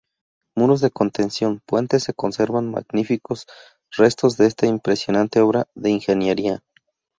Muros de contención, puentes... se conservan magníficos restos de esta impresionante obra de ingeniería.